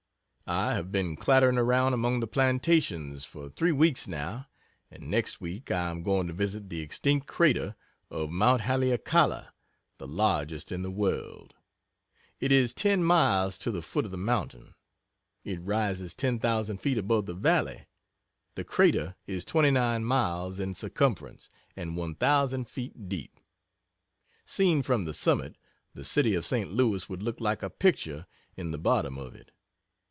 I have been clattering around among the plantations for three weeks, now, and next week I am going to visit the extinct crater of Mount Haleakala the largest in the world; it is ten miles to the foot of the mountain; it rises 10,000 feet above the valley; the crater is 29 miles in circumference and 1,000 feet deep. Seen from the summit, the city of St. Louis would look like a picture in the bottom of it.